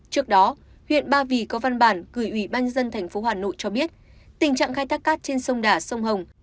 trước đó huyện ba vì có văn bản gửi ủy ban nhân dân tp hà nội cho biết tình trạng khai thác cát trên sông đà sông hồng